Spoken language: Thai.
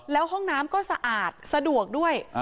แล้วห้องน้ำก็สะอาดสะดวกด้วย